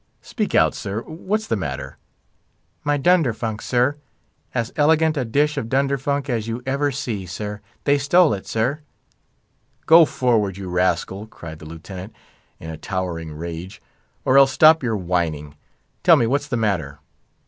"Speak out, sir; what's the matter?" "My dunderfunk, sir—as elegant a dish of dunderfunk as you ever see, sir—they stole it, sir!" "Go forward, you rascal!" cried the Lieutenant, in a towering rage, "or else stop your whining. Tell me, what's the matter?"